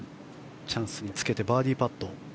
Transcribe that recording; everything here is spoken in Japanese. チャンスにつけてバーディーパット。